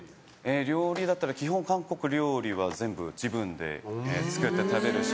料理だったら基本、韓国料理は全部、自分で作って食べるし。